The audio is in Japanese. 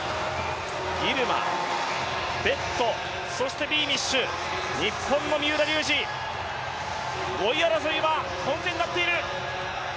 ギルマ、ベット、ビーミッシュ、日本の三浦龍司、５位争いは混戦になっている。